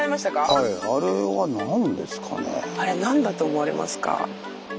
あれ何だと思われますか？